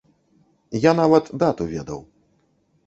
Я нават дату ведаў.